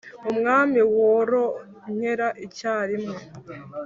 umwami waronkera icyarimwe